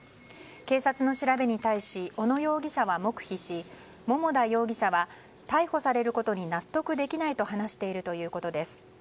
警察の調べに対し小野容疑者は黙秘し桃田容疑者は逮捕されることに納得できないと話しているということです。